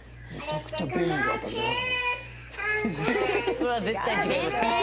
それは絶対違いますね。